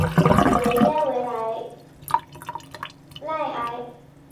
维耶维莱赖埃。